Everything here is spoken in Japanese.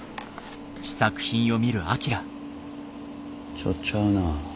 ちょっとちゃうな。